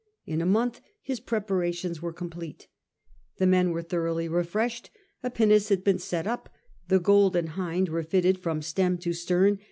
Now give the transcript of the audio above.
In a month his preparations were complete. The men were thoroughly refreshed ; a pinnace had been set up; the Golden Hind refitted from stem to stem, .